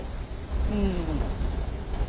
うん。